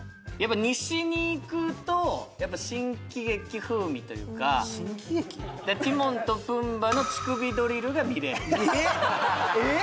西に行くとやっぱ新喜劇風味というかティモンとプンバァの乳首ドリルが見れるえーっ？